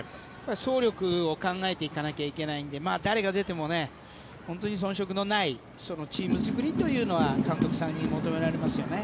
総力を考えていかないといけないので誰が出てもそん色のないチーム作りというのは監督さんに求められますよね。